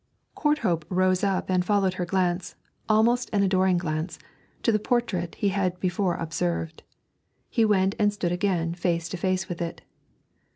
Courthope rose up and followed her glance, almost an adoring glance, to the portrait he had before observed. He went and stood again face to face with it.